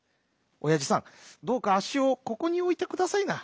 おやじさんどうかあっしをここにおいてくださいな。